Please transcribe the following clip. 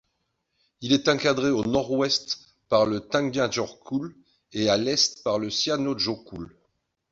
Il est encadré au nord-ouest par le Tungnaárjökull et à l'est par le Síðujökull.